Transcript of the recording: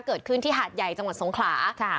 เกิดขึ้นที่หาดใหญ่จังหวัดสงขลา